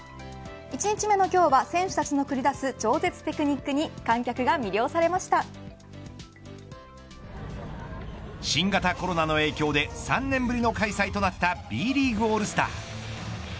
１日目の今日は選手たちの繰り出す超絶テクニックに新型コロナの影響で３年ぶりの開催となったＢリーグオールスター。